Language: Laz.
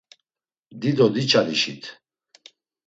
Dido diçalişit.